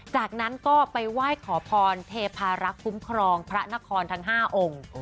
จากนั้นก็ไปไหว้ขอพรเทพารักษ์คุ้มครองพระนครทั้ง๕องค์